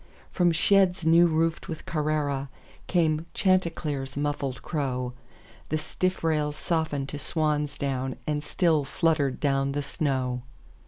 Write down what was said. From sheds new roofed with CarraraCame Chanticleer's muffled crow, The stiff rails softened to swan's down, And still fluttered down the snow.